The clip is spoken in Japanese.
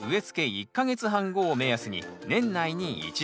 １か月半後を目安に年内に１度。